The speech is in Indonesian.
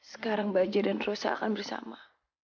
sekarang baja dan rosa akan bersama